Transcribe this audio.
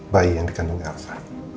bayi yang dikandung elsa